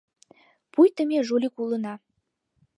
Пуйто ме жулик улына...